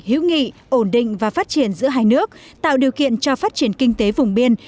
hữu nghị ổn định và phát triển giữa hai nước tạo điều kiện cho phát triển kinh tế vùng biên